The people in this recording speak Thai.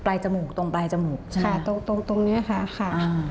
ปลายจมูกตรงปลายจมูกใช่ไหมครับค่ะตรงตรงนี้ค่ะ